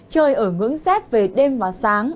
trời ở ngưỡng xét về đêm và sáng